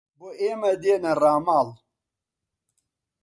بۆ ئێمەی دێنا ڕاماڵ